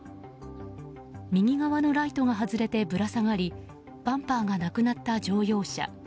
右側のライトが外れてぶら下がりバンパーが亡くなった乗用車。